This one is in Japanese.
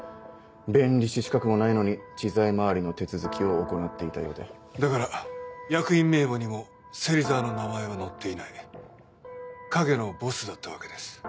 弁理士資格もないのに知財周りの手続きを行っていたようでだから役員名簿にも芹沢の名前は載っ陰のボスだったわけです